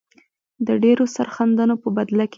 د ډیرو سرښندنو په بدله کې.